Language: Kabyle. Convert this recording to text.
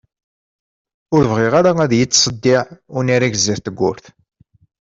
Ur bɣiɣ ara ad iyi-ttseddiɛ unarag sdat tewwurt.